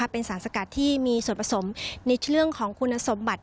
เป็นสารสกัดที่มีส่วนผสมในเรื่องของคุณสมบัติ